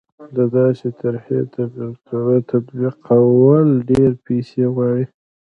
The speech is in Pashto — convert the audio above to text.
د داسې طرحې تطبیقول ډېرې پیسې غواړي.